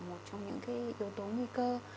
một trong những yếu tố nguy cơ